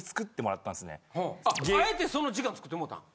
敢えてその時間作ってもうたん？